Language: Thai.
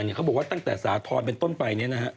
เขาบอกว่าตั้งแต่สาธอดีตรีเป็นต้นไปนี้